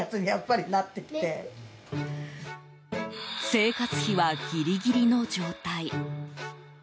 生活費はギリギリの状態。